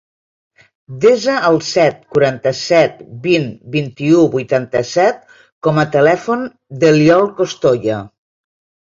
Desa el set, quaranta-set, vint, vint-i-u, vuitanta-set com a telèfon de l'Iol Costoya.